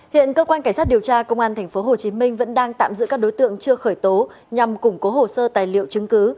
hiện cơ quan cảnh sát điều tra công an tp hcm vẫn đang tạm giữ các đối tượng chưa khởi tố nhằm củng cố hồ sơ tài liệu chứng cứ